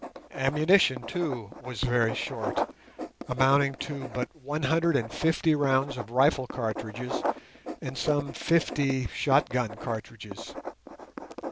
Ammunition, too, was very short, amounting to but one hundred and fifty rounds of rifle cartridges and some fifty shot gun cartridges.